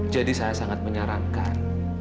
jadi saya sangat menyarankan